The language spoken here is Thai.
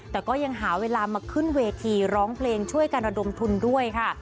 แต่ก็ยังหาเวลามาขึ้นเวทีร้องเพลงช่วยกันระดมทุนด้วยค่ะ